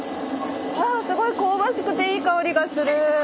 すごい香ばしくていい香りがする！